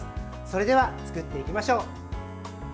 それでは、作っていきましょう。